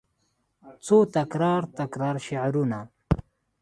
څو تکرار، تکرار شعرونه